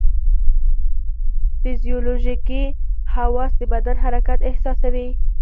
فزیولوژیکي حواس د بدن حرکت احساسوي.